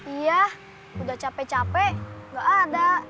iya udah capek capek nggak ada